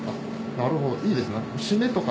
なるほどいいですねシメとか。